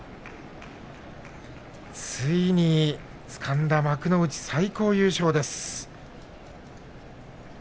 ついにつかんだ幕内最高優勝です。